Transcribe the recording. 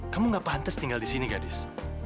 kamu gak pantas tinggal di sini gadis